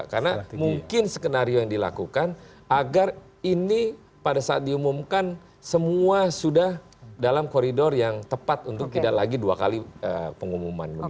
karena mungkin skenario yang dilakukan agar ini pada saat diumumkan semua sudah dalam koridor yang tepat untuk tidak lagi dua kali pengumuman